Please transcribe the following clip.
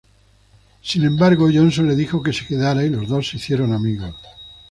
Sin embargo, Johnson le dijo que se quedara y los dos se hicieron amigos.